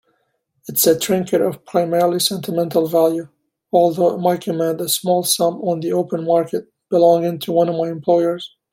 It's a trinket of primarily sentimental value, although it might command a small sum on the open market, belonging to one of my employers.